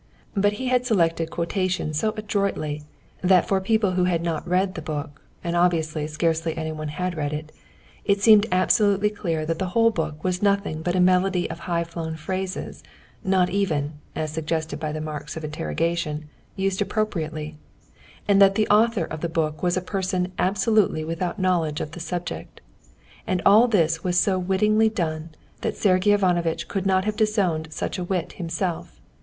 But he had selected quotations so adroitly that for people who had not read the book (and obviously scarcely anyone had read it) it seemed absolutely clear that the whole book was nothing but a medley of high flown phrases, not even—as suggested by marks of interrogation—used appropriately, and that the author of the book was a person absolutely without knowledge of the subject. And all this was so wittily done that Sergey Ivanovitch would not have disowned such wit himself.